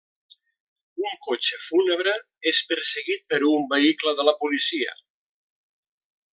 Un cotxe fúnebre és perseguit per un vehicle de la policia.